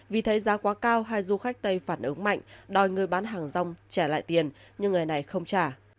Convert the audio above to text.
vì thấy giá quá cao hai du khách tây phản ứng mạnh đòi người bán hàng rong trả lại tiền nhưng người này không trả